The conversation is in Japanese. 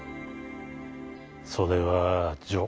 「それは恕。